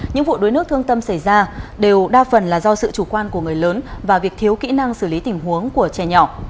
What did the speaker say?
những vụ đuối nước thương tâm xảy ra đều đa phần là do sự chủ quan của người lớn và việc thiếu kỹ năng xử lý tình huống của trẻ nhỏ